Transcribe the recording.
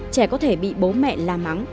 trẻ có thể bị bố mẹ la mắng